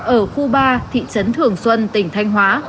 ở khu ba thị trấn thường xuân tỉnh thanh hóa